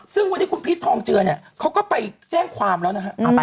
ซึ่งวันนี้คุณพีชทองเจือเนี่ยเขาก็ไปแจ้งความแล้วนะฮะ